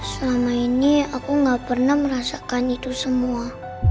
selama ini aku gak pernah merasakan itu semua